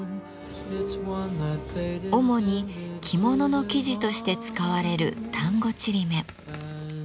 主に着物の生地として使われる丹後ちりめん。